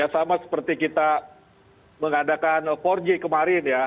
sama seperti kita mengadakan empat g kemarin ya